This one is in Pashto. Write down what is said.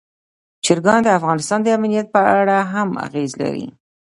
چرګان د افغانستان د امنیت په اړه هم اغېز لري.